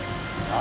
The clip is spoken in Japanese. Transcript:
何？